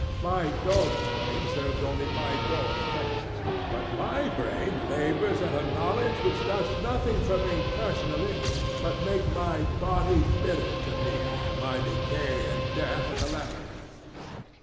My dog's brain serves only my dog's purposes; but my brain labors at a knowledge which does nothing for me personally but make my body bitter to me and my decay and death a calamity.